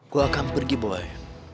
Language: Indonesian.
gue akan pergi boy